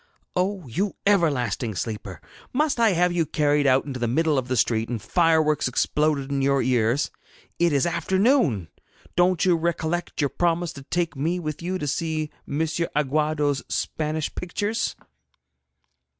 'Oh, you everlasting sleeper! Must I have you carried out into the middle of the street, and fireworks exploded in your ears? It is afternoon. Don't you recollect your promise to take me with you to see M. Aguado's Spanish pictures?'